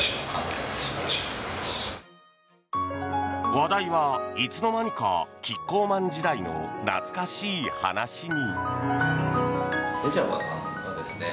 話題は、いつの間にかキッコーマン時代の懐かしい話に。